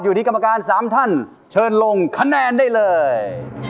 ที่กรรมการ๓ท่านเชิญลงคะแนนได้เลย